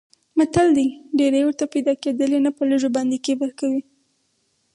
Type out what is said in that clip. متل دی: ډېرې ورته پیدا کېدلې نه په لږو باندې کبر کوي.